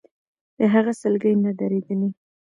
د هغه سلګۍ نه درېدلې.